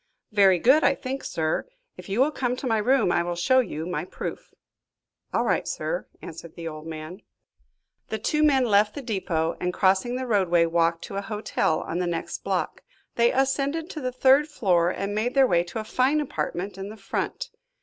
"Very good, I think, sir. If you will come to my room, I will show you my proof." "All right, sir," answered the old man. The two men left the depot, and crossing the roadway, walked to a hotel on the next block. They ascended to the third floor and made their way to a fine apartment in the front.